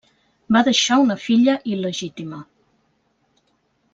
Va deixar una filla il·legítima.